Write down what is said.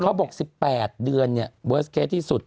เค้าบอกว่า๑๘เดือนเวิร์สเคสที่สุด